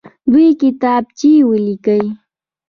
دوې کتابچې ولیکئ.